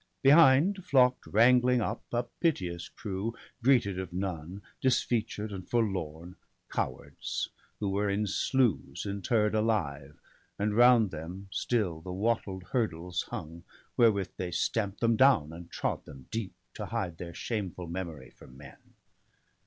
Behind flock'd wrangling up a piteous crew, Greeted of none, disfeatured and forlorn — Cowards, who were in sloughs interr'd alive; And round them still the wattled hurdles hung Wherewith they stamp'd them down, and trod them deep. To hide their shameful memory from men.